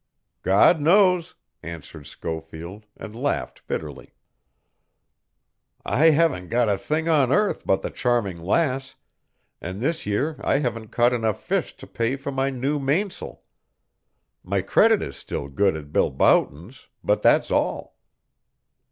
"God knows!" answered Schofield and laughed bitterly. "I haven't got a thing on earth but the Charming Lass, an' this year I haven't caught enough fish to pay for my new mains'l. My credit is still good at Bill Boughton's, but that's all."